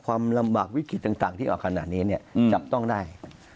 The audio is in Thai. ความลำบากวิกฤตต่างที่ออกขนาดนี้เนี่ยจับต้องได้